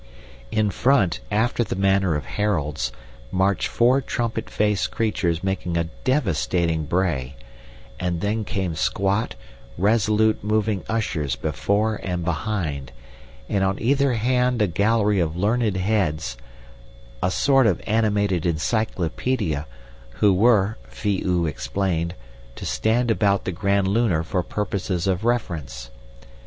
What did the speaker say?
"In front, after the manner of heralds, marched four trumpet faced creatures making a devastating bray; and then came squat, resolute moving ushers before and behind, and on either hand a galaxy of learned heads, a sort of animated encyclopedia, who were, Phi oo explained, to stand about the Grand Lunar for purposes of reference.